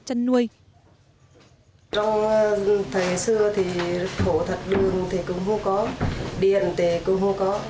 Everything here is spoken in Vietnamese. trong thời xưa thì thổ thật đường thì cũng không có điện thì cũng không có